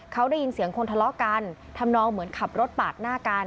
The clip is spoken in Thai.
เขาได้ยินเสียงคนทะเลาะกันทำนองเหมือนขับรถปาดหน้ากัน